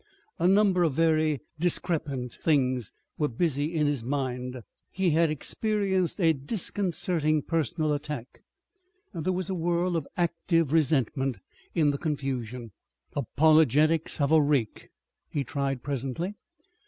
A number of very discrepant things were busy in his mind. He had experienced a disconcerting personal attack. There was a whirl of active resentment in the confusion. "Apologetics of a rake," he tried presently.